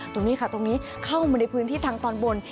ตรงนี้ค่ะตรงนี้เข้ามาในพื้นที่ทางตอนบน